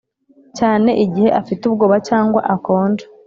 cyane igihe afite ubwoba cyangwa akonje,